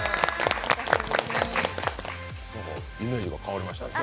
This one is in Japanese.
なんかイメージが変わりましたね。